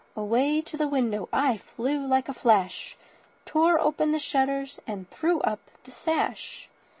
Away to the window I flew like a flash, Tore open the shutters and threw up the sash.